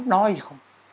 nói gì không